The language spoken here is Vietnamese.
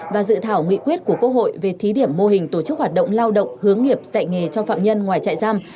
và dự thảo nghị quyết của quốc hội về thí điểm mô hình tổ chức hoạt động lao động hướng nghiệp dạy nghề cho phạm nhân ngoài trại giam